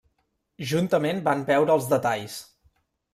Juntament van veure els detalls.